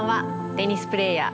テニスプレーヤー